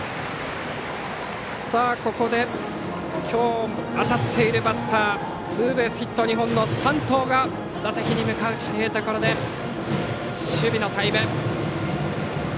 さあ、ここで今日当たっているバッターツーベースヒット２本の山藤が打席に向かうというところで鶴岡東、守備のタイム。